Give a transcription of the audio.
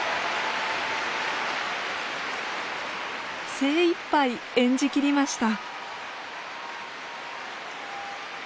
精いっぱい演じ切りました。